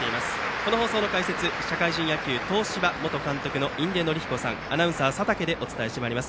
この放送の解説は社会人野球、東芝元監督の印出順彦さん、アナウンサーは佐竹でお伝えしてまいります。